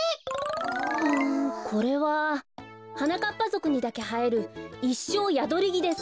うんこれははなかっぱぞくにだけはえるイッショーヤドリギです。